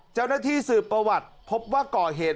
เจ้าหน้าที่สืบประวัติพบว่าก่อเหตุ